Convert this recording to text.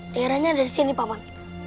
daerahnya ada di sini paman